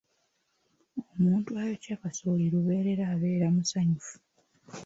Omuntu ayokya kasooli lubeerera abeera musanyufu.